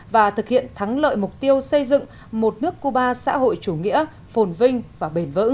và thực hiện thắng lợi mục tiêu xây dựng một nước cuba xã hội chủ nghĩa